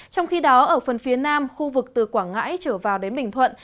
trong khi đó ở phần phía nam khu vực từ quảng ngãi trở vào đến bình thuận